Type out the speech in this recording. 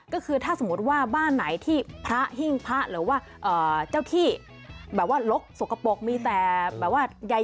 ก็คือถ้าสมมุติว่าบ้านไหนที่พระหิ้งพระหรือว่าเจ้าที่แบบว่าลกสกปรกมีแต่แบบว่ายาย